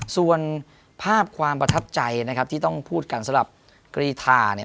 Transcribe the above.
ส่วนภาพความประทับใจนะครับที่ต้องพูดกันสำหรับกรีธาเนี่ย